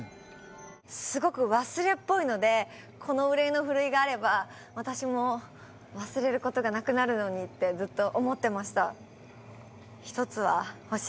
すごく忘れっぽいのでこの憂いの篩があれば私も忘れることがなくなるのにってずっと思ってました